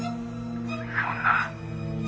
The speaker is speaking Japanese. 「そんな」